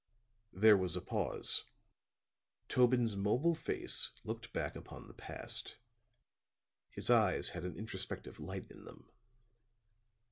There was a pause: Tobin's mobile face looked back upon the past; his eyes had an introspective light in them.